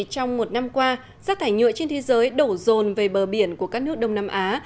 trong một năm qua rác thải nhựa trên thế giới đổ rồn về bờ biển của các nước đông nam á